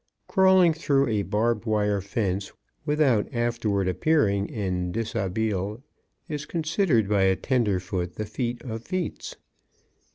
Crawling through a barbed wire fence without afterward appearing in dishabille is considered by a tenderfoot the feat of feats.